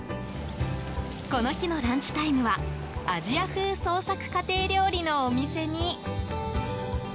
この日のランチタイムはアジア風創作家庭料理のお店に。